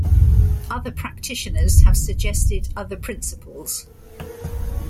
Other practitioners have suggested other principles.